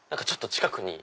近くに。